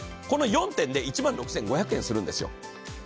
この４点で１万６５００円するんですよ。